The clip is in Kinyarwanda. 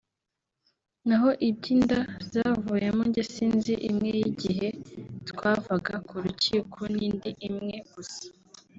naho iby’inda zavuyemo njye nzi imwe y’igihe twavaga ku rukiko n’indi imwe gusa